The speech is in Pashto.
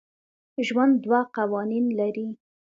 ژوند دوه قوانین لري.